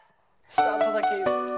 スタートだけ。